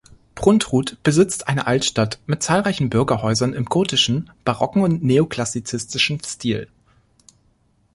Pruntrut besitzt eine Altstadt mit zahlreichen Bürgerhäusern im gotischen, barocken und neoklassizistischen Stil.